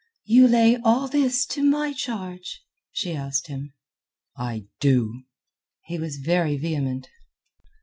"You lay all this to my charge?" she asked him. "I do." He was very vehement.